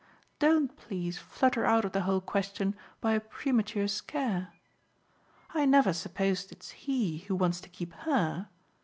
Don't, please, flutter out of the whole question by a premature scare. I never supposed it's he who wants to keep HER.